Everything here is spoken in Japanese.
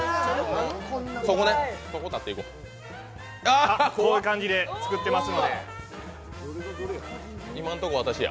こういう感じで作ってますので。